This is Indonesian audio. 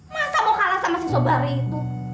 masa mau kalah sama si sobari itu